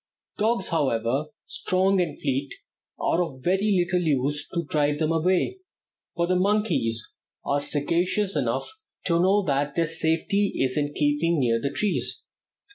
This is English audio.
Dogs, however strong and fleet, are of very little use to drive them away, for the monkeys are sagacious enough to know that their safety is in keeping near the trees.